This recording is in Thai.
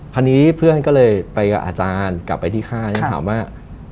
คราวนี้เพื่อนก็เลยไปกับอาจารย์กลับไปที่ค่ายฉันถามว่า